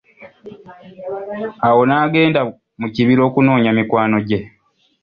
Awo naagenda mu kibira okunoonya mikwano gye.